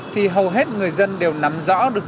thì hầu hết người dân đều nắm rõ được